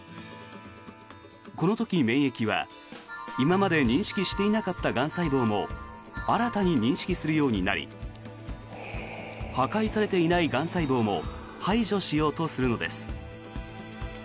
この時、免疫は今まで認識していなかったがん細胞も新たに認識するようになり破壊されていないがん細胞も排除しようとするのです。